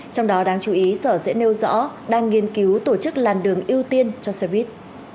trong đó đáng chú ý sở sẽ nêu rõ đang nghiên cứu tổ chức làn đường ưu tiên cho xe buýt